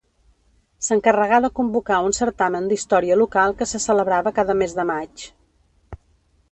S'encarregà de convocar un certamen d'història local que se celebrava cada mes de maig.